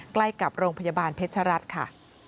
ใกล้กับโรงพยาบาลเพชรรัฐค่ะ